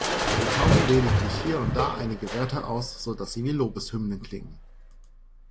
Wir tauschen lediglich hier und da einige Wörter aus, sodass sie wie Lobeshymnen klingen.